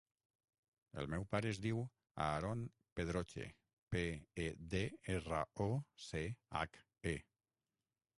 El meu pare es diu Aaron Pedroche: pe, e, de, erra, o, ce, hac, e.